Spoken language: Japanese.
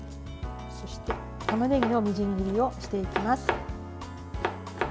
そして、たまねぎのみじん切りをしていきます。